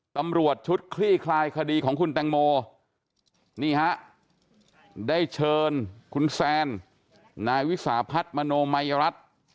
ตำรวจชุดคลี่คลายคดีของคุณแตงโมนี่ฮะได้เชิญคุณแซนนายวิสาพัฒน์มโนมัยรัฐ